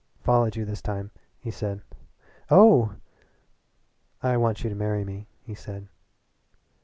"I followed you this time," he said. "Oh!" "I want you to marry me," he said.